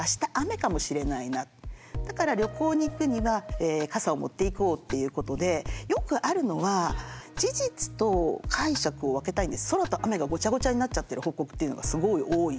だから旅行に行くには傘を持っていこうっていうことでよくあるのはソラとアメがごちゃごちゃになっちゃってる報告というのがすごい多い。